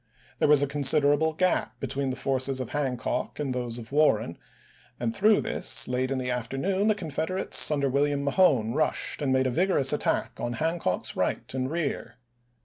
There was a considerable gap between the forces of Hancock and those of Warren, and through this, late in the afternoon, the Confederates under William Mahone rushed and made a vigorous attack on Hancock's right and rear.